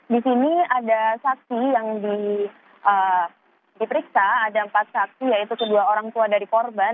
di sini ada saksi yang diperiksa ada empat saksi yaitu kedua orang tua dari korban